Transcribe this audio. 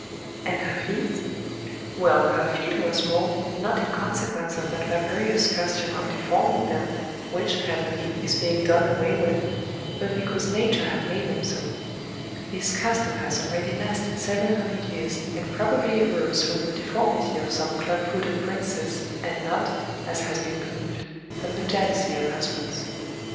And her feet ? Well, her feet were small, not in consequence of that barbarotis custom of de forming them, which, happily, is being done away with, but because nature had made them so. This custom has already lasted seven hundred years, and probably arose from the deformity of some club footed princess, and not, as has been believed, from the jealousy of husbands.